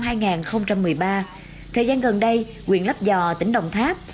thời gian này đồng chí định yên thuộc huyện lấp vò tỉnh đồng tháp